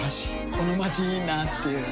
このまちいいなぁっていう